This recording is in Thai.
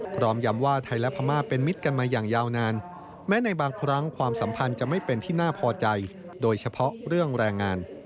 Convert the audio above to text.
พร้อมยำว่าไทยและพม่าเป็นมิตรกันมาอย่างยาวนาน